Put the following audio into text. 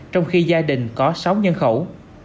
trong khi gia đình có sáu nhân khẩu